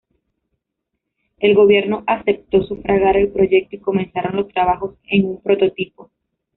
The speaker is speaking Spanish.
El gobierno aceptó sufragar el proyecto y comenzaron los trabajos en un prototipo.